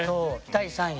第３位。